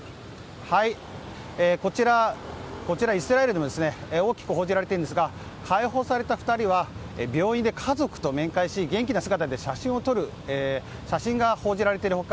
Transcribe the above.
こちら、イスラエルでも大きく報じられているのですが解放された２人は病院で家族と面会し元気な姿で写真を撮る姿が報じられている他